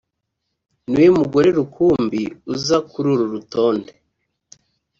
niwe mugore rukumbi uza kuri uru rutonde